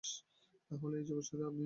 তা হলেই এই জগৎভেল্কি আপনি-আপনি ভেঙে যাবে।